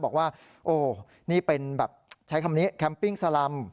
บอกว่าโอ้นี่เป็นแบบใช้คำนี้แคมปิ้งสลัม